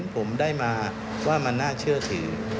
ผมได้มาว่ามันน่าเชื่อถือ